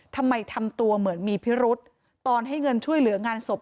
ทำตัวเหมือนมีพิรุษตอนให้เงินช่วยเหลืองานศพ